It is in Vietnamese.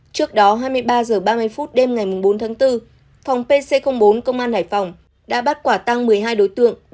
trước đó hai mươi ba h ba mươi phút đêm ngày bốn tháng bốn phòng pc bốn công an hải phòng đã bắt quả tăng một mươi hai đối tượng